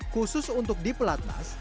khusus untuk di pelatnas